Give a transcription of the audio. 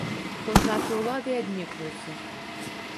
Хоць нашы ўлады і аднекваюцца.